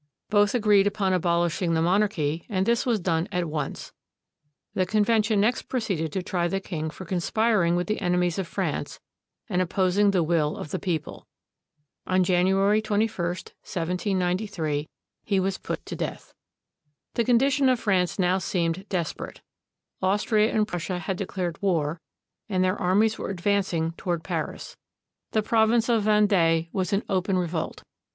Both agreed upon abolishing the monarchy, and this was done at once. The convention next proceeded to try the king for conspiring with the enemies of France and opposing the will of the people. On January 21, 1793, he was put to death. The condition of France now seemed desperate. Austria and Prussia had declared war and their armies were advanc ing toward Paris. The province of Vendee was in open re volt.